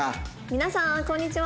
皆さんこんにちは。